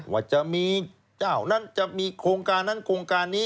ว่าจะมีเจ้านั้นจะมีโครงการนั้นโครงการนี้